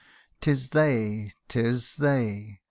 'Tis they ! 'tis they !